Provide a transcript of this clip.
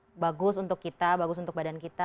yang memang bagus untuk kita bagus untuk badan kita